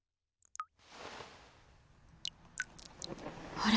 あれ？